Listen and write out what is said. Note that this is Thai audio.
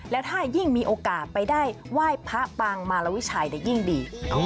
และถ้ายิ่งมีโอกาสไปได้ไหว้พระปางมารวิชัยยิ่งดี